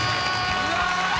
うわ！